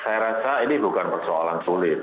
saya rasa ini bukan persoalan sulit